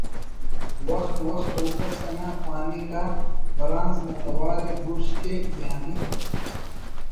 وخت وخت او کس انا پاننگ آ برانز نا توار ءِ بڑز کے یعنی